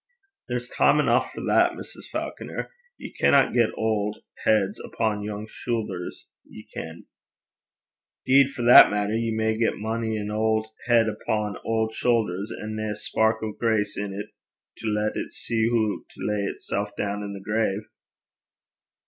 'There's time eneuch for that, Mrs. Faukner. Ye canna get auld heids upo' young shoothers, ye ken.' ''Deed for that maitter, ye may get mony an auld heid upo' auld shoothers, and nae a spark o' grace in 't to lat it see hoo to lay itsel' doon i' the grave.'